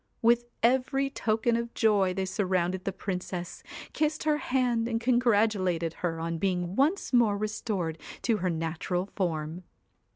With every token of joy they surrounded the Princess, kissed her hand, and congratulated her on being once more restored to her natural form.